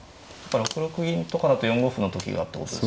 ６六銀とかだと４五歩の時がってことですか。